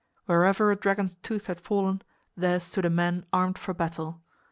Wherever a dragon's tooth had fallen, there stood a man armed for battle.